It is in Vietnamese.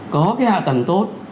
có cái hạ tầng tốt